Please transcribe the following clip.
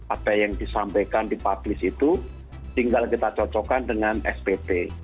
apa yang disampaikan di publis itu tinggal kita cocokkan dengan spt